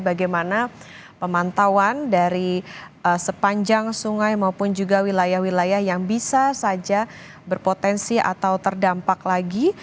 bagaimana pemantauan dari sepanjang sungai maupun juga wilayah wilayah yang bisa saja berpotensi atau terdampak lagi